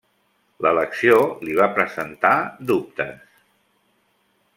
L'elecció li va presentar dubtes.